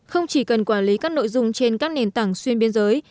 không chỉ cần quản lý các nội dung trên các nền tảng xuyên biên giới